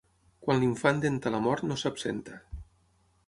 Quan l'infant denta la mort no s'absenta.